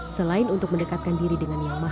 selain untuk mendekatkan diri dengan yang lain